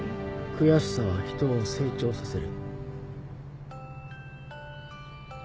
悔しさは人を成長させる